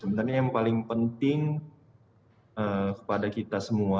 sebenarnya yang paling penting kepada kita semua